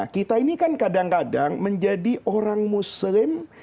kita ini kan kadang kadang menjadi orang muslim